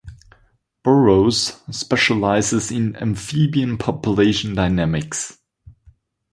Burrowes specializes in amphibian population dynamics.